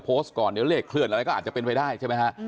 โพสต์ก่อนเดี๋ยวเลขเคลื่อนอะไรก็อาจจะเป็นไปได้ใช่ไหมฮะ